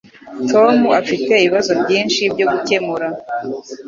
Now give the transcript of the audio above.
Tom afite ibibazo byinshi byo gukemura